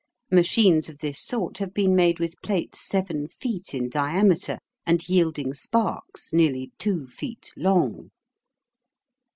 Machines of this sort have been made with plates 7 feet in diameter, and yielding sparks nearly 2 feet long.